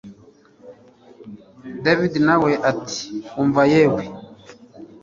davide nawe ati umva yewee